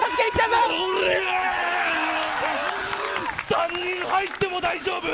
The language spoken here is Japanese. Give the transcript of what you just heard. ３人入っても大丈夫。